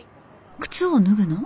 靴を脱ぐの？